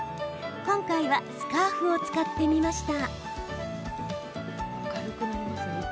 今回はスカーフを使ってみました。